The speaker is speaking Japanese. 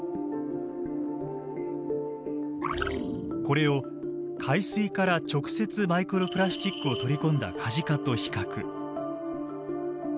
これを海水から直接マイクロプラスチックを取り込んだカジカと比較。